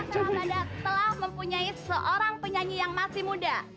kafe lambada telah mempunyai seorang penyanyi yang masih muda